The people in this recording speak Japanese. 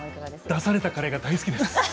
出されたカレーが大好きです。